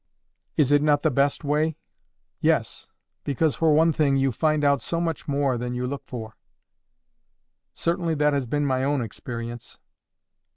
"Is it not the best way?" "Yes. Because, for one thing, you find out so much more than you look for." "Certainly that has been my own experience."